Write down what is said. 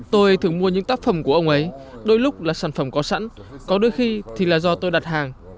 tôi thường mua những tác phẩm của ông ấy đôi lúc là sản phẩm có sẵn có đôi khi thì là do tôi đặt hàng